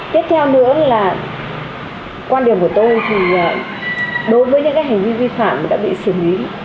tiếp theo nữa là quan điểm của tôi thì đối với những hành vi vi phạm đã bị xử lý